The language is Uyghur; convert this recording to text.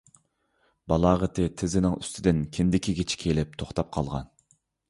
بالاغىتى تىزىنىڭ ئۈستىدىن كىندىكىگىچە كېلىپ توختاپ قالغان.